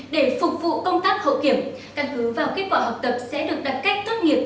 để phục vụ công tác hậu kiểm căn cứ vào kết quả học tập sẽ được đặt cách tốt nghiệp